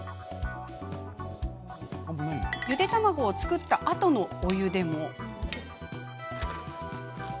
ゆで卵を作ったあとのお湯でも。